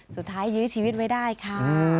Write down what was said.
สุดท้ายยื้อชีวิตไว้ได้ค่ะ